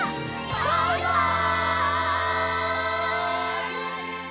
バイバイ！